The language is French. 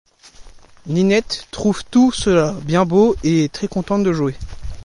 Ninette trouve tout cela bien beau et est très contente de jouer.